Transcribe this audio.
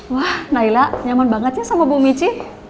wah naila nyaman bangetnya sama bu mici